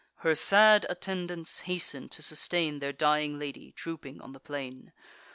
Her sad attendants hasten to sustain Their dying lady, drooping on the plain.